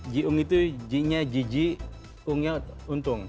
jiung itu j nya ji ji ung nya untung